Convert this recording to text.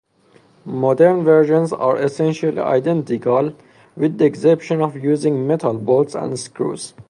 Modern versions are essentially identical with the exception of using metal bolts and screws.